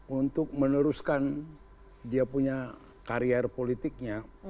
untuk meneruskan dia punya karier politiknya